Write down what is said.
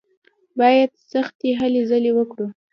بايد سختې هلې ځلې وکړو.